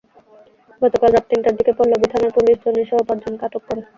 গতকাল রাত তিনটার দিকে পল্লবী থানার পুলিশ জনিসহ পাঁচজনকে আটক করে।